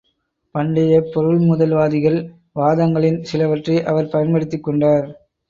பண்டையப் பொருள்முதல்வாதிகள் வாதங்களின் சிலவற்றை அவர் பயன்படுத்திக் கொண்டார்.